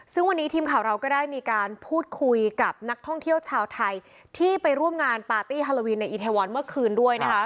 ซึ่งวันนี้ทีมข่าวเราก็ได้มีการพูดคุยกับนักท่องเที่ยวชาวไทยที่ไปร่วมงานปาร์ตี้ฮาโลวีนในอีเทวอนเมื่อคืนด้วยนะคะ